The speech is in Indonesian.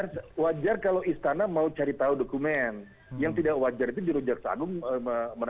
iya ibu wajar kalau istana mau cari tahu dokumennya iya ibu wajar kalau istana mau cari tahu dokumennya